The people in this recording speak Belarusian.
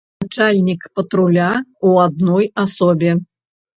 Начальнік патруля у адной асобе.